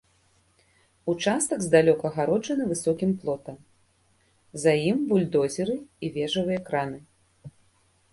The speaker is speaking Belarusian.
Участак здалёк агароджаны высокім плотам, за ім бульдозеры і вежавыя краны.